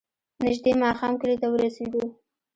نژدې ماښام کلي ته ورسېدو.